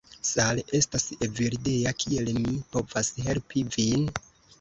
"Sal', estas Evildea, kiel mi povas helpi vin?"